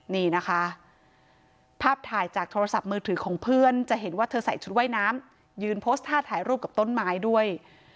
นี่นะคะภาพถ่ายจากโทรศัพท์มือถือของเพื่อนจะเห็นว่าเธอใส่ชุดว่ายน้ำยืนโพสต์ท่าถ่ายรูปกับต้นไม้ด้วย